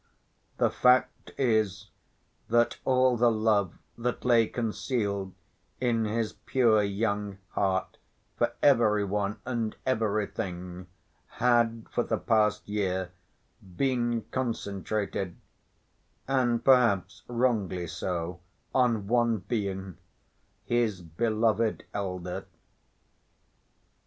The fact is that all the love that lay concealed in his pure young heart for every one and everything had, for the past year, been concentrated—and perhaps wrongly so—on one being, his beloved elder.